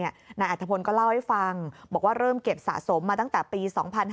นายอัธพลก็เล่าให้ฟังบอกว่าเริ่มเก็บสะสมมาตั้งแต่ปี๒๕๕๙